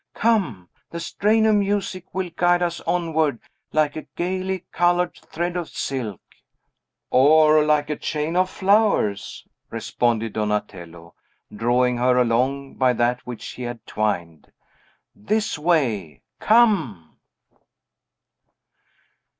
Come; the strain of music will guide us onward like a gayly colored thread of silk." "Or like a chain of flowers," responded Donatello, drawing her along by that which he had twined. "This way! Come!"